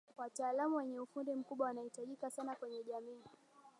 wataalamu wenye ufundi mkubwa wanahitajika sana kwenye jamii